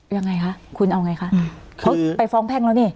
ยังไงคะคุณเอาไงคะเขาไปฟ้องแพ่งแล้วนี่